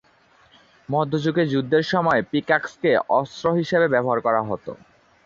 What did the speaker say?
মধ্যযুগে যুদ্ধের সময়, পিকাক্সকে অস্ত্র হিসেবে ব্যবহার করা হতো।